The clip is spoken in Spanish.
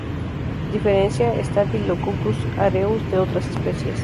Diferencia Staphylococcus aureus de otras especies.